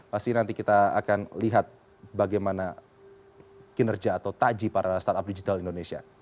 pasti nanti kita akan lihat bagaimana kinerja atau taji para startup digital indonesia